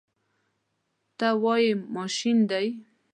ته وایې ماشین دی.